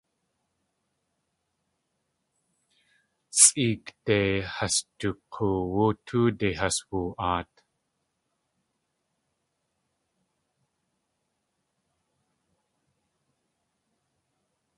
Sʼeek de has du k̲oowú tóode has woo.aat.